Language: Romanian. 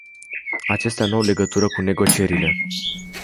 Acestea nu au legătură cu negocierile.